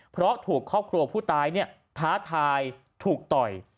เพราะถูกครอบครัวผู้ตายท้าทายถูกต่อย